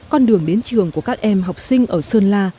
con đường đến trường của các em học sinh ở sơn la